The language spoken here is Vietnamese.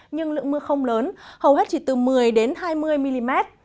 nhưng lượng mưa không lớn hầu hết chỉ từ một mươi hai mươi mm